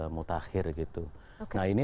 motakhir gitu nah ini